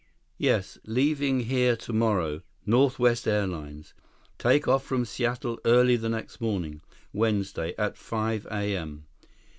Yes, leaving here tomorrow ... Northwest Airlines.... Take off from Seattle early the next morning, Wednesday, at five A.M.